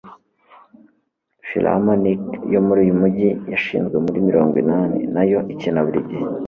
Philharmonic yo muri uyu mujyi yashinzwe muri mirongo inani nayo ikina buri gihe